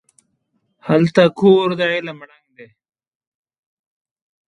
هلته کور د علم ړنګ دی